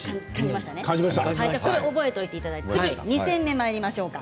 これを覚えていただいて次、２煎目まいりましょうか。